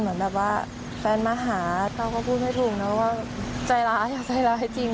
เหมือนแบบว่าแฟนมาหาเต้าก็พูดไม่ถูกนะว่าใจร้ายอยากใจร้ายจริง